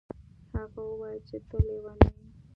هغې وویل چې ته لیونی یې.